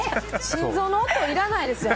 心臓の音いらないですよ。